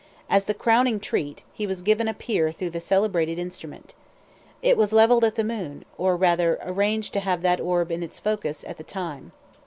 As the crowning "treat," he was given a peer through the celebrated instrument. It was leveled at the moon, or, rather, arranged to have that orb in its focus at the time.